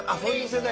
世代。